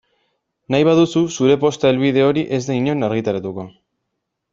Nahi baduzu zure posta helbide hori ez da inon argitaratuko.